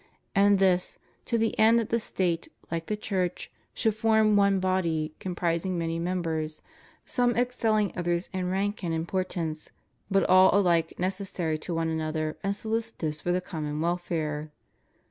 And this, to the end that the State, like the Church, should form one body comprising many members, some excelling others in rank and importance, but all alike necessary to one another and solicitous for the common welfare.